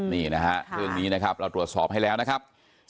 นี่นะฮะเรื่องนี้นะครับเราตรวจสอบให้แล้วนะครับ